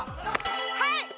はい！